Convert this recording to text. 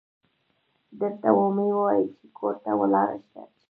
درته و مې ويل چې کور ته ولاړه شه.